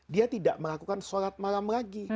dia tidak melakukan sholat malam lagi